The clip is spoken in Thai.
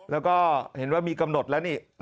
แล้วก็เห็นว่ามีกำหนดแล้วนี่